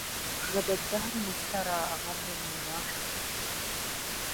غدا الدهر مفترا أغر المضاحك